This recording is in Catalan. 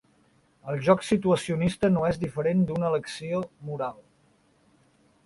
El joc situacionista no és diferent d'una elecció moral.